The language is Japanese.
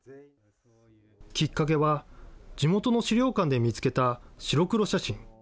きっかけは、地元の資料館で見つけた白黒写真。